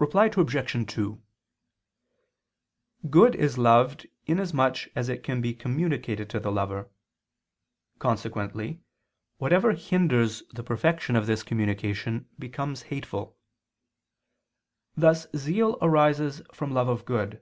Reply Obj. 2: Good is loved inasmuch as it can be communicated to the lover. Consequently whatever hinders the perfection of this communication, becomes hateful. Thus zeal arises from love of good.